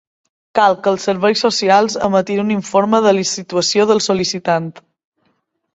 Cal que els serveis socials emetin un informe de la situació del sol·licitant.